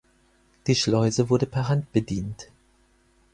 Die Schleuse wurde per Hand bedient.